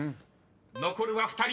［残るは２人。